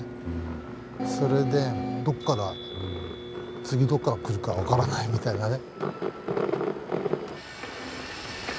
それでどっから次どこから来るか分からないみたいなね。